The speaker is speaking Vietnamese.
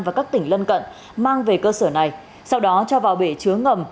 và các tỉnh lân cận mang về cơ sở này sau đó cho vào bể chứa ngầm